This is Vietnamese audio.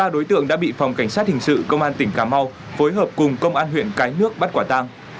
ba đối tượng đã bị phòng cảnh sát hình sự công an tỉnh cà mau phối hợp cùng công an huyện cái nước bắt quả tang